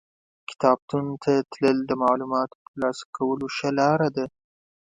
کتابتون ته تلل د معلوماتو ترلاسه کولو ښه لار ده.